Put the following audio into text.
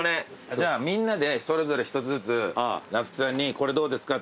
じゃあみんなでそれぞれ１つずつ夏樹さんにこれどうですか？